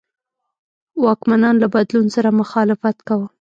واکمنان له بدلون سره مخالفت کاوه.